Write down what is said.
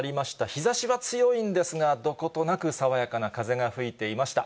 日ざしは強いんですが、どことなく爽やかな風が吹いていました。